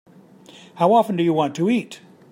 How often do you want to eat?